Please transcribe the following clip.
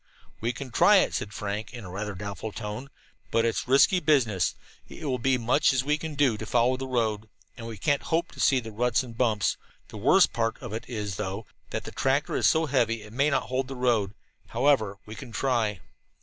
"We can try it," said Frank in a rather doubtful tone, "but it's risky business. It will be as much as we can do to follow the road, and we can't hope to see the ruts and bumps. The worst part of it is, though, that the tractor is so heavy it may not hold the road. However, we can try."